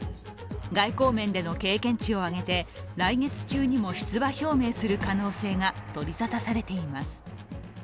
外交面での経験値を上げて来月中にも出馬表明する可能性が取りざたされています。